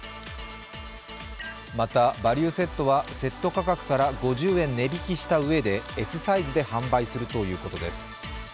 また、バリューセットはセット価格から５０円値引きしたうえでＳサイズで販売するということです。